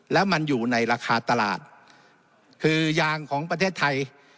แล้วมันอยู่ในราคาตลาดคือยางของประเทศไทย